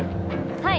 はい。